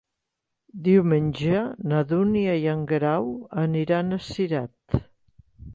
Diumenge na Dúnia i en Grau aniran a Cirat.